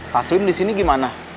taslim di sini gimana